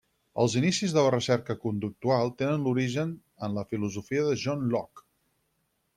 Els inicis de la recerca conductual tenen l'origen en la filosofia de John Locke.